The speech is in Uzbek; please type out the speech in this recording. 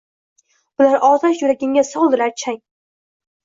Bular otash yuragimga soldilar chang